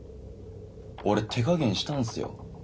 ・俺手加減したんすよ。